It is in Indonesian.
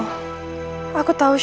aku tahu siapa yang mencoba